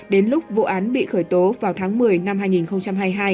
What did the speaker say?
đến lúc vụ án bị khởi tố vào tháng một mươi năm hai nghìn hai mươi hai